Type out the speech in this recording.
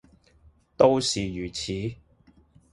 都是如此。